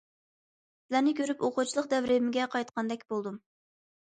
سىلەرنى كۆرۈپ ئوقۇغۇچىلىق دەۋرىمگە قايتقاندەك بولدۇم.